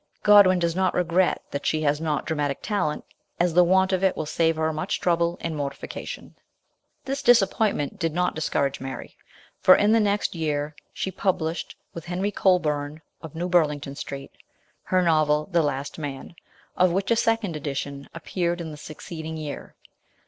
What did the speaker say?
Godwin does not regret that she has not dramatic talent, as the want of it will save her much trouble and mortification. This disappointment did not discourage Mary, for in the next year she published, with Henry Colburn of New Burlington Street, her novel The Last Man, of which a second edition appeared in the succeeding year.